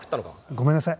ごめんなさい。